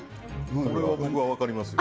これは僕はわかりますよ